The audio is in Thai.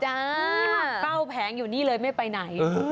เฝ้าแผงอยู่นี่เลยไม่ไปไหน